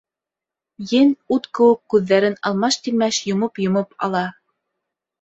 Ен ут кеүек күҙҙәрен алмаш-тилмәш йомоп-йомоп ала.